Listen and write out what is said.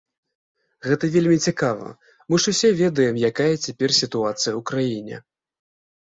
Гэта вельмі цікава, мы ж усе ведаем, якая цяпер сітуацыя ў краіне.